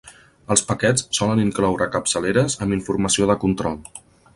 Els paquets solen incloure capçaleres amb informació de control.